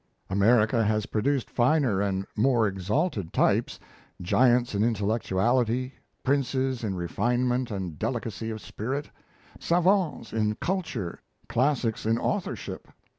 America has produced finer and more exalted types giants in intellectuality, princes in refinement and delicacy of spirit, savants in culture, classics in authorship.